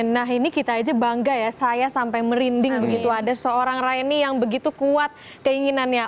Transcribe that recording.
nah ini kita aja bangga ya saya sampai merinding begitu ada seorang raini yang begitu kuat keinginannya